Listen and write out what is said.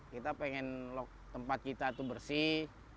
kita pengen tempat kita itu bersih